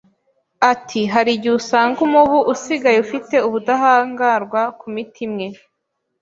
Ati “Hari igihe usanga umubu usigaye ufite ubudahangarwa ku miti imwe